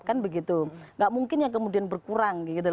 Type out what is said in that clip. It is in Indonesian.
tidak mungkin yang kemudian berkurang